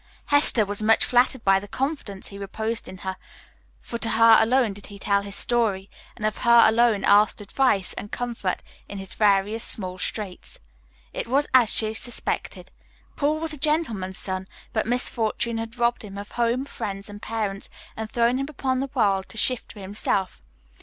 Hester was much flattered by the confidence he reposed in her, for to her alone did he tell his story, and of her alone asked advice and comfort in his various small straits. It was as she suspected: Paul was a gentleman's son, but misfortune had robbed him of home, friends, and parents, and thrown him upon the world to shift for himself.